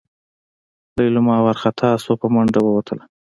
لېلما وارخطا شوه په منډه ووتله.